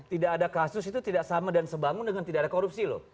tidak ada kasus itu tidak sama dan sebangun dengan tidak ada korupsi loh